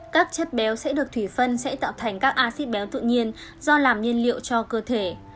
các chất béo sẽ được thủy phân sẽ tạo thành các acid béo tự nhiên do làm nhiên liệu cho cơ thể